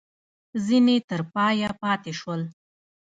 ځیني تر پایه پاته شول.